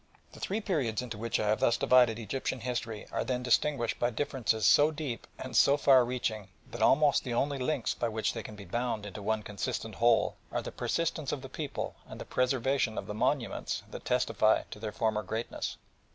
The three periods into which I have thus divided Egyptian history are then distinguished by differences so deep and so far reaching that almost the only links by which they can be bound into one consistent whole are the persistence of the people and the preservation of the monuments that testify to their former greatness.